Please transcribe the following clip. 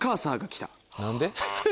何で？